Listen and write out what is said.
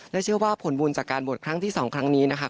และเชื่อว่าผลบุญจากการบวชครั้งที่๒ครั้งนี้นะครับ